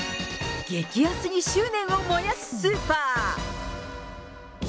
激安に執念を燃やすスーパー。